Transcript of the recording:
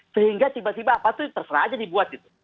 sehingga tiba tiba apa itu terserah saja dibuat